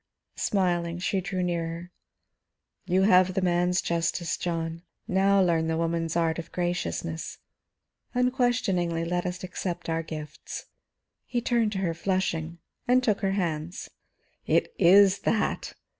Smiling, she drew nearer. "You have the man's justice, John; now learn the woman's art of graciousness. Unquestioningly let us accept our gifts." He turned to her, flushing, and took her hands. "It is that!